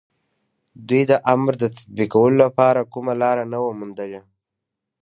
دوی د امر د تطبيقولو لپاره کومه لاره نه وه موندلې.